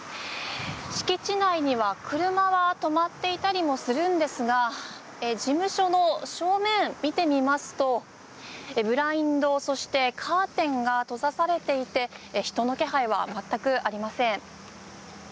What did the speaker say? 敷地内には車が止まっていたりもするんですが事務所の正面を見てみますとブラインドそしてカーテンが閉ざされていて人の気配は全くありません。